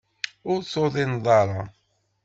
Ur tuḍineḍ ara.